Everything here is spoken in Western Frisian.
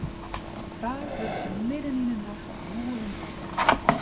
Faak wurdt se midden yn 'e nacht gûlend wekker.